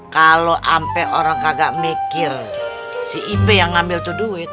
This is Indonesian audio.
kalo ampe orang kagak mikir si ipe yang ngambil tuh duit